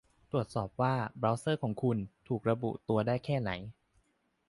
ตรวจสอบว่า เบราว์เซอร์ของคุณ ถูกระบุตัวได้แค่ไหน